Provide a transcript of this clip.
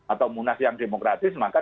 atau munas yang demokratis maka